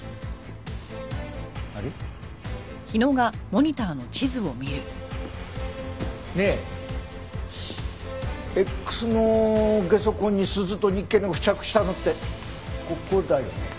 あれ？ねえＸのゲソ痕にスズとニッケルが付着したのってここだよね？